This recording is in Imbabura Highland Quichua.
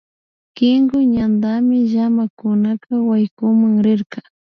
Kinku ñantami llamakuna waykunan rirka